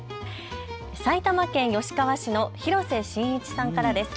埼玉県吉川市の廣瀬伸一さんからです。